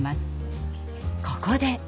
ここで！